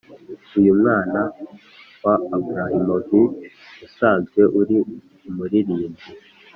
uyu mwana wa abrahimovic usanzwe ari umuririmbyi